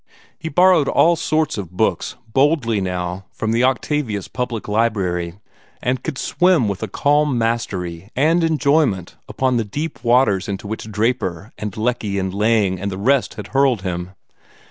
He borrowed all sorts of books boldly now from the Octavius public library, and could swim with a calm mastery and enjoyment upon the deep waters into which Draper and Lecky and Laing and the rest had hurled him.